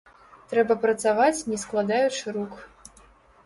Трэба працаваць, не складаючы рук.